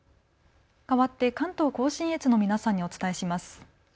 かわって関東甲信越の皆さんにお伝えします。